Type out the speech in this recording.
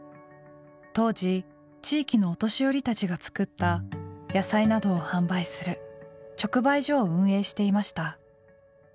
当時地域のお年寄りたちが作った野菜などを販売する直売所を運営していました。